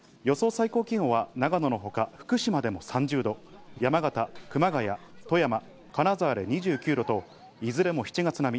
最高気温は長野のほか福島でも３０度、山形、熊谷、富山、金沢で２９度といずれも７月並み。